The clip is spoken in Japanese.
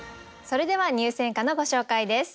それでは入選歌のご紹介です。